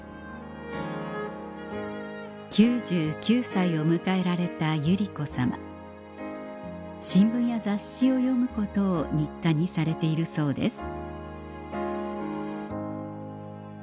９９歳を迎えられた百合子さま新聞や雑誌を読むことを日課にされているそうです